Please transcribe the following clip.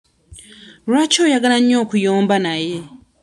Lwaki oyagala nnyo okuyomba naye?